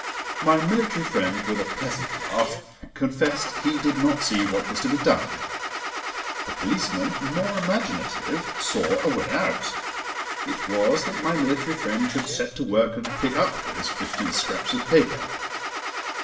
My military friend, with a pleasant laugh, confessed he did not see what was to be done. The policeman, more imaginative, saw a way out. It was that my military friend should set to work and pick up those fifty scraps of paper.